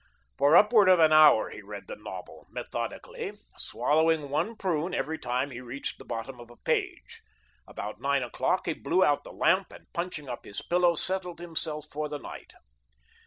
For upward of an hour he read the novel, methodically swallowing one prune every time he reached the bottom of a page. About nine o'clock he blew out the lamp and, punching up his pillow, settled himself for the night.